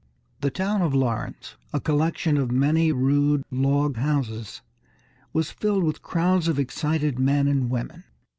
The town of Lawrence, a collection of many rude log houses, was filled with crowds of excited men and women.